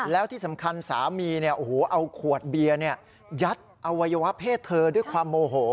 แล้วที่สำคัญสามีเอาขวดเบียร์ยัดอวัยวะเพศเธอด้วยความโมโห